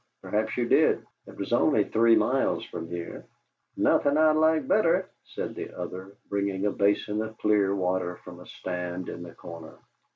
Perhaps you did it was only three miles from here." "Nothing I'd liked better!" said the other, bringing a basin of clear water from a stand in the corner.